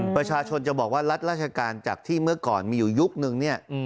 ประชาชนจะบอกว่ารัฐราชการจากที่เมื่อก่อนมีอยู่ยุคนึงเนี่ย